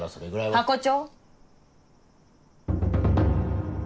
ハコ長。